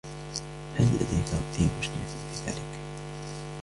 هل لديك أي مشكلة في ذلك ؟